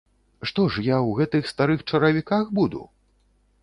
Што ж, я ў гэтых старых чаравіках буду?